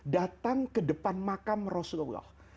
datang ke depan makam rasulullah